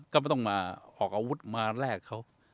ก็ไม่ต้องมาออกอาวุธมาแลกเขา